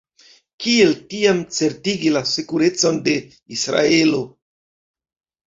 Kiel tiam certigi la sekurecon de Israelo?